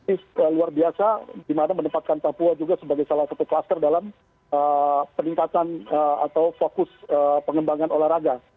ini luar biasa di mana menempatkan papua juga sebagai salah satu kluster dalam peningkatan atau fokus pengembangan olahraga